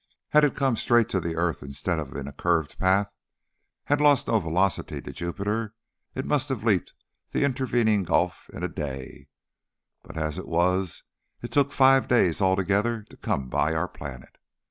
Had it come straight to the earth instead of in a curved path, had it lost no velocity to Jupiter, it must have leapt the intervening gulf in a day, but as it was it took five days altogether to come by our planet.